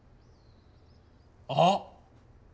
あっ。